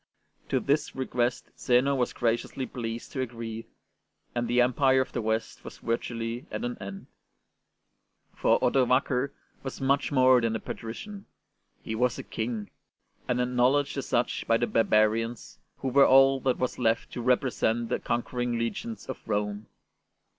To this request Zeno was graciously pleased to agree, and the Empire of the West was virtually at an end. 20 ST. BENEDICT For Odovaker was much more than a patrician, he was a King, and acknowledged as such by the barbarians, who were all that was left to represent the conquering legions of Rome.